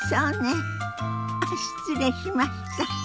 あっ失礼しました。